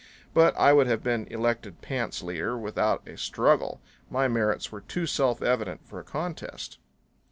But I would have been elected pants leader without a struggle. My merits were too self evident for a contest.